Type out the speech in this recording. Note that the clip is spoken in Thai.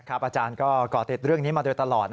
อาจารย์ก็ก่อติดเรื่องนี้มาโดยตลอด